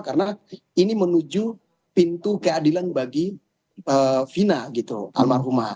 karena ini menuju pintu keadilan bagi fina gitu almarhumah